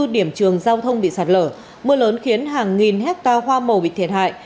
bốn mươi điểm trường giao thông bị sạt lở mưa lớn khiến hàng nghìn hectare hoa màu bị thiệt hại